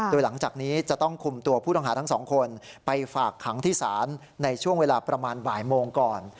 โดยหลังจากนี้จะต้องคุมตัวผู้ต้องหาทั้งสองคนไปฝากขังที่ศาลในช่วงเวลาประมาณบ่ายโมงก่อน